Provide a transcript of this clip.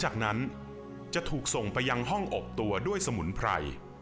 จากนั้นจะถูกส่งไปยังห้องอบตัวด้วยสมุนไพร